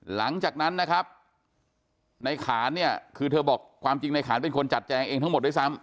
หลังจากนั้นนะครับในขานเนี่ยคือเธอบอกความจริงในขานเป็นคนจัดแจงเองทั้งหมดด้วยซ้ำ